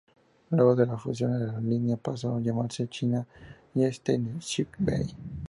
Luego de la fusión, la aerolínea paso a llamarse China Eastern Xi Bei.